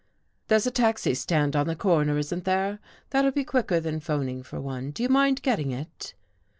"There's a taxi stand on the corner, isn't there? That'll be quicker than 'phoning for one. Do you mind getting it?